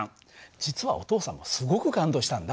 実はお父さんもすごく感動したんだ。